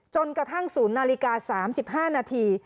จนกระทั่ง๐นาฬิกา๓๕นาที